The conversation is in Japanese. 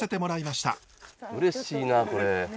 うれしいなこれ。